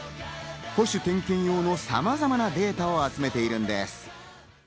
保守・点検用のさまざまなデータを集めているのです。